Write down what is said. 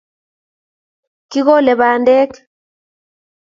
kikole pandek